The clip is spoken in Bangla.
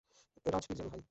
রাজবীর জানু, হাই!